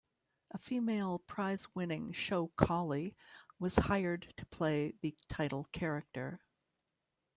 A female prize-winning show collie was hired to play the title character.